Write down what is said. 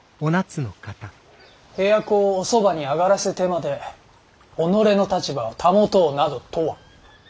部屋子をおそばに上がらせてまで己の立場を保とうなどとは。